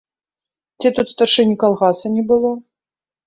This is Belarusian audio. Ці тут старшыні калгаса не было?